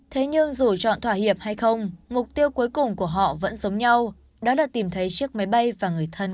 thế nhưng dù chọn thỏa hiệp hay không mục tiêu cuối cùng của họ vẫn giống nhau đó là tìm thấy chiếc máy bay và người thân